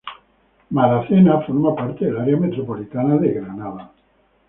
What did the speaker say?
Bedford forma parte del área metropolitana de Lynchburg.